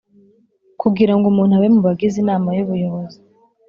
Kugira ngo umuntu abe mu bagize inama y ubuyobozi